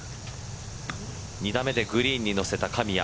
２打目でグリーンに乗せた神谷。